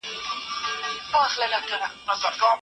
د ژبې خدمت عبادت دی.